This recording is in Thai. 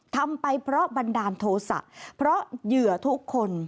ทำไปเพราะบันดาลโทษะเพราะเหยื่อทุกคน